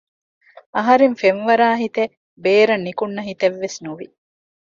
އަހަރެން ފެންވަރާހިތެއް ބޭރަށް ނުކުނަ ހިތެއްވެސް ނުވި